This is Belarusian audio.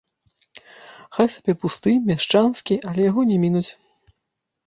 Хай сабе пусты, мяшчанскі, але яго не мінуць.